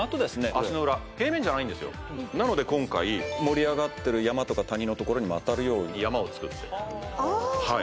足の裏平面じゃないんですよなので今回盛り上がってる山とか谷のところにも当たるように山を作ってはい